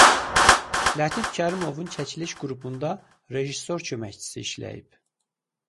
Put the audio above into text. Lətif Kərimovun çəkiliş qrupunda rejissor köməkçisi işləyib.